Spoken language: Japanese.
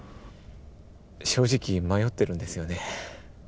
正直迷ってるんですよね。